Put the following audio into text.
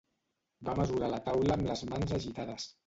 Va mesurar la taula amb les mans agitades.